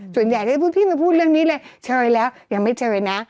ส่วนใหญ่จะพูดพี่ไม่พูดเรื่องนี้เลยเชยแล้วยังไม่เชยนะ